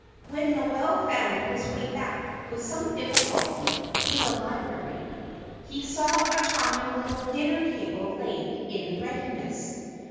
When Noel found his way back, with some difficulty, to the library, he saw a charming little dinner table laid in readiness.